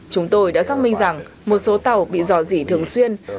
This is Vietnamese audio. chúng tôi đã xác minh rằng một số tàu bị dò dỉ thường xuyên